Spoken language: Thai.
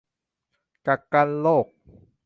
กักกันโรค